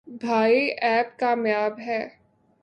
بھائی ایپ کامیاب ہے۔